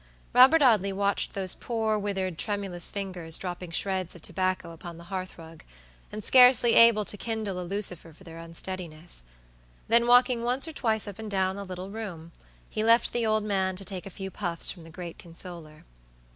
Robert Audley watched those poor, withered, tremulous fingers dropping shreds of tobacco upon the hearth rug, and scarcely able to kindle a lucifer for their unsteadiness. Then walking once or twice up and down the little room, he left the old man to take a few puffs from the great consoler.